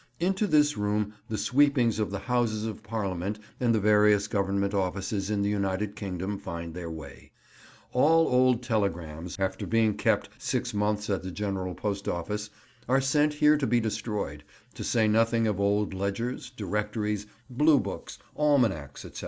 Into this room the sweepings of the Houses of Parliament and the various Government Offices in the United Kingdom find their way. All old telegrams, after being kept six months at the General Post Office, are sent here to be destroyed, to say nothing of old ledgers, directories, blue books, almanacks, etc.